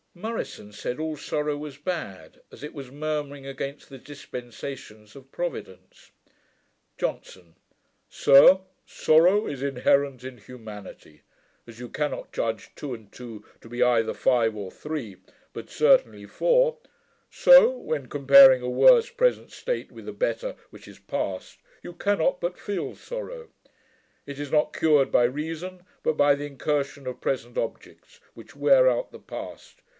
Murison said, all sorrow was bad, as it was murmuring against the dispensations of Providence. JOHNSON. 'Sir, sorrow is inherent in humanity. As you cannot judge two and two to be either five, or three, but certainly four, so, when comparing a worse present state with a better which is past, you cannot but feel sorrow. It is not cured by reason, but by the incursion of present objects, which wear out the past.